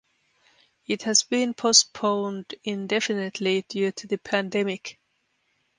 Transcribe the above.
It has been postponed indefinitely due to the pandemic.